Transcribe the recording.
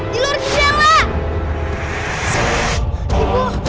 di luar kejayaan lah